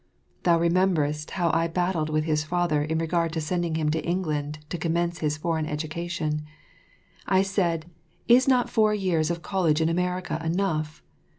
Thou rememberest how I battled with his father in regard to sending him to England to commence his foreign education. I said, "Is not four years of college in America enough?